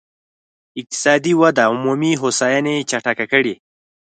اقتصادي وده عمومي هوساينې چټکه کړي.